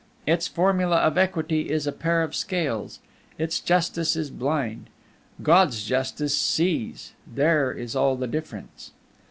Its formula of equity is a pair of scales, its justice is blind. God's justice sees: there is all the difference.